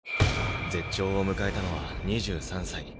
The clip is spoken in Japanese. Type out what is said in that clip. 絶頂を迎えたのは２３歳。